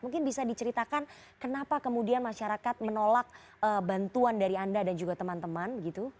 mungkin bisa diceritakan kenapa kemudian masyarakat menolak bantuan dari anda dan juga teman teman